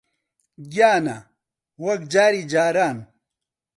گیانە، وەک جاری جاران